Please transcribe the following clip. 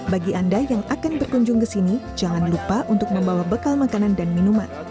bagi anda yang akan berkunjung ke sini jangan lupa untuk membawa bekal makanan dan minuman